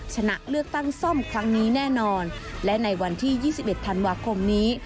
ชนะเลือกตั้งซ่อมครั้งนี้แน่นอนและในวันที่๒๑ธันวาคมนี้